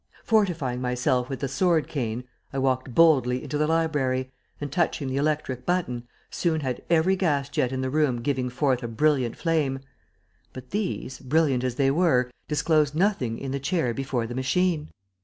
Fortifying myself with the sword cane, I walked boldly into the library, and, touching the electric button, soon had every gas jet in the room giving forth a brilliant flame; but these, brilliant as they were, disclosed nothing in the chair before the machine.